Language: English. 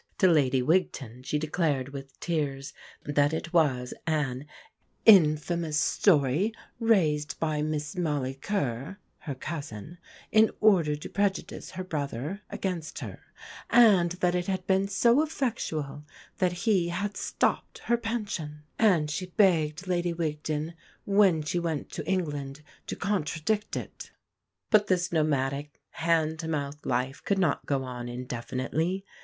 To Lady Wigton, she declared with tears that it was an "infamous story raised by Miss Molly Kerr, her cousin, in order to prejudice her brother against her, and that it had been so effectual that he had stopped her pension"; and she begged Lady Wigton "when she went to England to contradict it." But this nomadic, hand to mouth life could not go on indefinitely.